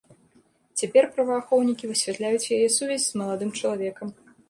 Цяпер праваахоўнікі высвятляюць яе сувязь з маладым чалавекам.